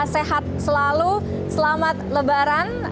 sehat selalu selamat lebaran